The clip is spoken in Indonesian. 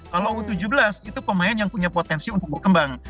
kalau u tujuh belas itu pemain yang punya potensi untuk berkembang